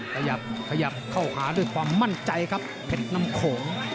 ขยับขยับเข้าหาด้วยความมั่นใจครับเพชรน้ำโขง